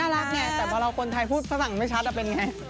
น่ารักไงแต่พอเราคนไทยพูดภาษาศักดิ์ไม่ชัดก็เป็นอย่างไร